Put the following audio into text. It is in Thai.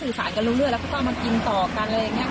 สี่สารกันรุ่นเลือดแล้วก็เอามากินต่อกันอะไรอย่างเงี้ย